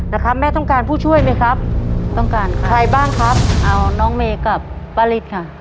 นะครับแม่ต้องการผู้ช่วยไหมครับต้องการใครบ้างครับเอาน้องเมย์กับป้าฤทธิ์ค่ะ